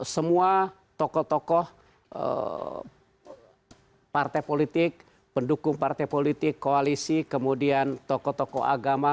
semua tokoh tokoh partai politik pendukung partai politik koalisi kemudian tokoh tokoh agama